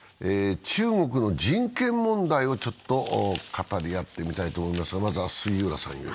中国の人権問題をちょっと語り合ってみたいと思います。